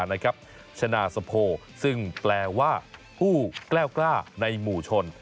นะครับชนะสะโพซึ่งแปลว่าฮู้แกล้วกล้าในหมู่ชน